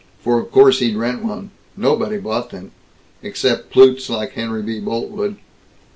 For of course he'd rent one. Nobody bought them except plutes like Henry B. Boltwood.